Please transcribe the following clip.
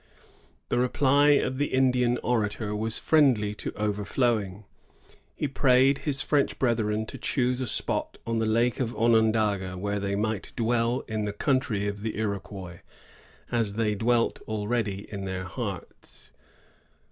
The reply of the Indian orator was friendly to overflowing. He prayed his French brethren to choose a spot on the lake of Onondaga, where they might dwell in the country of the Iroquois, as they dwelt already in their hearts.